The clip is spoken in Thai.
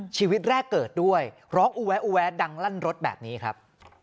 ชีวิตแรกเกิดด้วยร้องอูแวะอูแวะดังลั่นรถแบบนี้ครับ